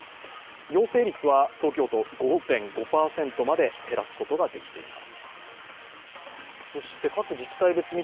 陽性率は東京都５．５％まで減らすことができています。